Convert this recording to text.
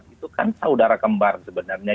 itu kan saudara kembar sebenarnya